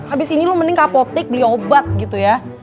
abis ini lo mending ke apotik beli obat gitu ya